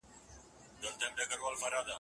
ځان باندې باور لرل ډیر مهم دي.